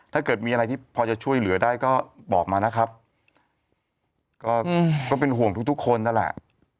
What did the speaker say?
ถ้าเกิดมีอะไรที่พอจะช่วยเหลือได้ก็บอกมานะครับก็เป็นห่วงทุกทุกคนนั่นแหละ